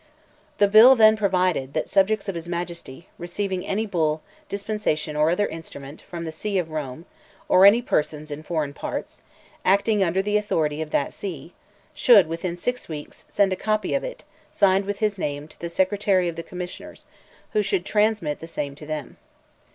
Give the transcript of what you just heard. "The bill then provided, that subjects of his Majesty, receiving any bull, dispensation, or other instrument, from the See of Rome, or any person in foreign parts, acting under the authority of that See, should, within six weeks, send a copy of it, signed with his name, to the Secretary of the Commissioners, who should transmit the same to them.